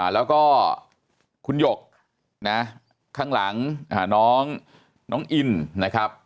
แล้วก็คุณหยกข้างหลังน้องอินนะครับ